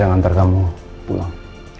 mengantar kamu pulang